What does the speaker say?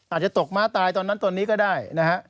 อาจจะตกม้าตายตอนนั้นตอนนี้ก็ได้นะฮะ